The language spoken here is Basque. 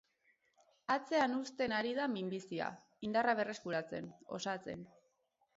Atzean uzten ari da minbizia, indarra berreskuratzen, osatzen.